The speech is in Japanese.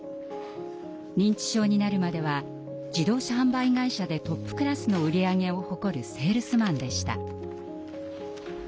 認知症になるまでは自動車販売会社でトップクラスの売り上げを誇るセールスマンでした。